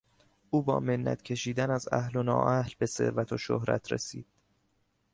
او با منت کشیدن از اهل و نااهل به ثروت و شهرت رسید.